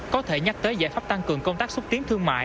có thể nhắc tới giải pháp tăng cường công tác xúc tiến thương mại